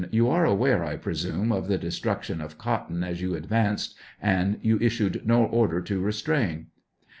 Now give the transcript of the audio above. You were aware, 1 presume of the destruction of cotton as 'you advanced, and you issued no order to restrain